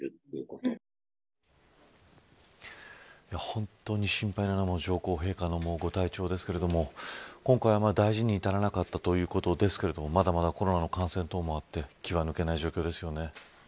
本当に心配なのは上皇陛下のご体調ですが今回は大事に至らなかったということですがまだまだコロナの感染等もあって気は抜けない状況ですよね